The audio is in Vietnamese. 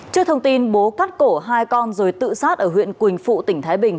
trước thông tin bố cắt cổ hai con rồi tự sát ở huyện quỳnh phụ tỉnh thái bình